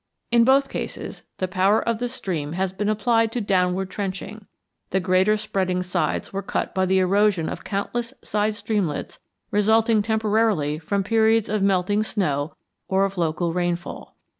In both cases the power of the stream has been applied to downward trenching; the greater spreading sides were cut by the erosion of countless side streamlets resulting temporarily from periods of melting snow or of local rainfall.